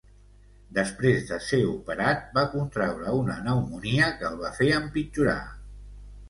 Després de ser operat, va contreure una pneumònia que el va fer empitjorar.